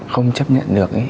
không chấp nhận được